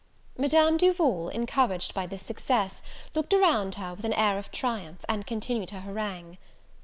Madame Duval, encouraged by this success, looked around her with an air of triumph, and continued her harangue.